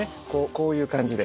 こういう感じで。